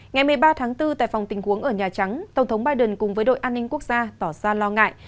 ngày một mươi ba tháng bốn tại phòng tình huống ở nhà trắng tổng thống biden cùng với đội an ninh quốc gia tỏ ra lo ngại